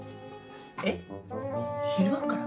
えっ昼間っから？